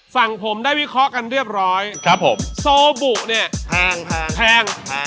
ฝั่งผมได้วิเคราะห์กันเรียบร้อยครับผมโซบุเนี่ยแพง